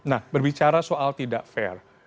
nah berbicara soal tidak fair